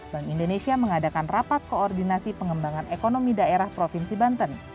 bank indonesia mengadakan rapat koordinasi pengembangan ekonomi daerah provinsi banten